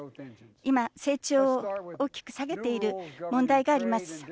今、成長を大きく下げている問題があります。